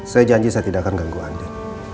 saya janji saya tidak akan mengganggu andi